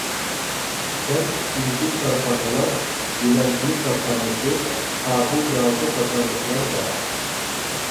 كەنت ئىچىدىكى كارخانىلار گىلەمچىلىك كارخانىسى، كابېل زاۋۇتى قاتارلىقلار بار.